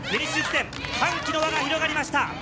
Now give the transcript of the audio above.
歓喜の輪が広がりました。